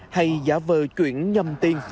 hay giả vờ chuyển nhầm tin